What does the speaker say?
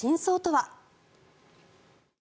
は？